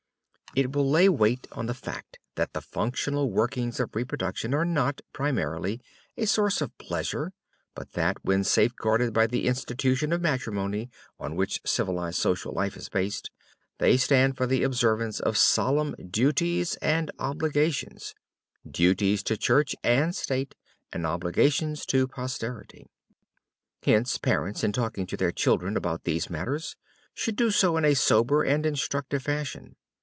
It will lay weight on the fact that the functional workings of reproduction are not, primarily, a source of pleasure, but that when safeguarded by the institution of matrimony, on which civilized social life is based they stand for the observance of solemn duties and obligations, duties to church and state, and obligations to posterity. Hence, parents, in talking to their children about these matters should do so in a sober and instructive fashion.